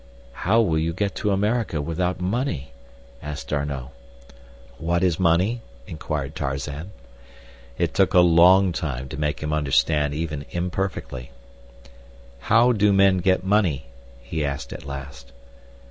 "How will you get to America without money?" asked D'Arnot. "What is money?" inquired Tarzan. It took a long time to make him understand even imperfectly. "How do men get money?" he asked at last.